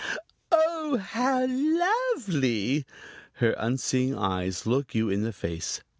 "Oh, how lovely!" Her unseeing eyes look you in the face.